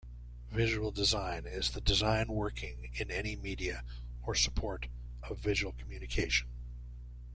Visual design is the design working in any media or support of visual communication.